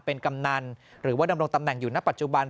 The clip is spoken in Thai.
เป็นกำนันหรือว่าดำรงตำแหน่งอยู่ณปัจจุบัน